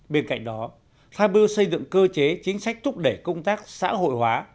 bên cạnh đó tham bưu xây dựng cơ chế chính sách thúc đẩy công tác xã hội hóa